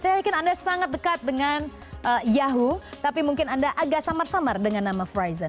saya yakin anda sangat dekat dengan yahoo tapi mungkin anda agak samar samar dengan nama fraizon